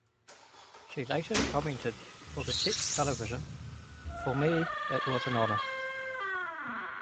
She later commented for the Czech Television: "For me, it was an honor".